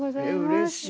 うれしい。